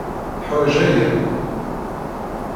Teḥwaj aya.